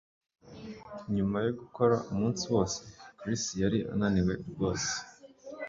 Nyuma yo gukora umunsi wose Chris yari ananiwe rwose